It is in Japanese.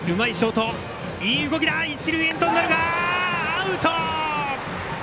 アウト！